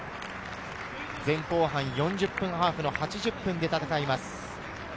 前後半４０分ハーフ、８０分で戦います。